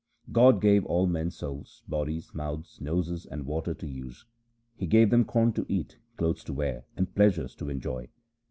God gave all men souls, bodies, mouths, noses, and water to use ; He gave them corn to eat, clothes to wear, and pleasures to enjoy.